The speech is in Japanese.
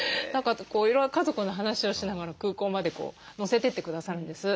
いろいろ家族の話をしながら空港まで乗せてってくださるんです。